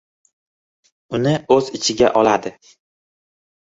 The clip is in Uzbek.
Uni o‘z ichiga oladi.